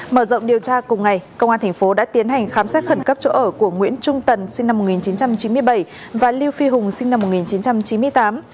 mở rộng điều tra cùng ngày công an thành phố đã tiến hành khám xét khẩn cấp chỗ ở của nguyễn trung tần sinh năm một nghìn chín trăm chín mươi bảy và liêu phi hùng sinh năm một nghìn chín trăm chín mươi tám